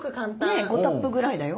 ねえ５タップぐらいだよ。